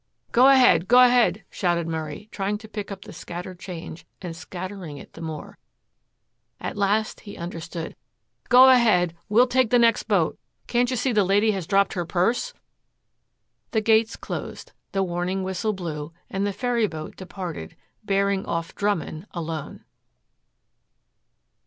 "Go ahead, go ahead," shouted Murray, trying to pick up the scattered change and scattering it the more. At last he understood. "Go ahead. We'll take the next boat. Can't you see the lady has dropped her purse?" The gates closed. The warning whistle blew, and the ferryboat, departed, bearing off Drummond alone.